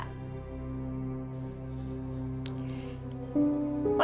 terima kasih pak